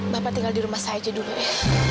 bapak tinggal di rumah saya aja dulu ya